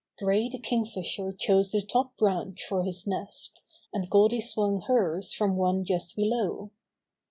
Gray the Kingfisher chose the top branch for his nest, and Goldy swung hers from one just below.